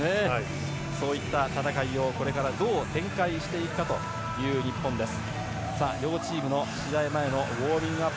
そういった戦いをこれからどう展開していくかという日本です。